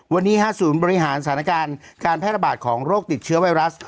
วันนี้ศูนย์บริหารสถานการณ์การแพร่ระบาดของโรคติดเชื้อไวรัส